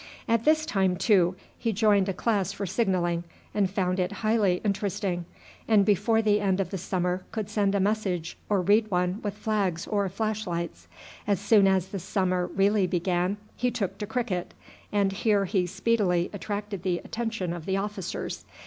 At this time, too, he joined a class for signalling, and found it highly interesting, and before the end of the summer could send a message or read one with flags or flash lights. As soon as the summer really began he took to cricket, and here he speedily attracted the attention of the officers.